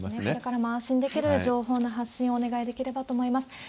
これからも安心できる情報の発信をお願いできればと思います。